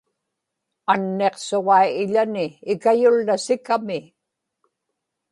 anniqsuġai iḷani ikayullasikami